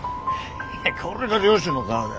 これが漁師の顔だ。